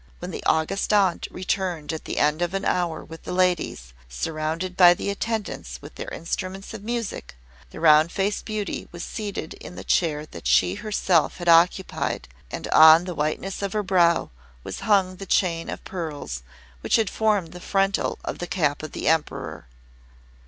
When the August Aunt returned at the end of an hour with the ladies, surrounded by the attendants with their instruments of music, the Round Faced Beauty was seated in the chair that she herself had occupied, and on the whiteness of her brow was hung the chain of pearls, which had formed the frontal of the Cap of the Emperor.